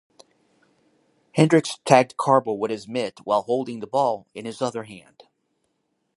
Hendricks tagged Carbo with his mitt while holding the ball in his other hand.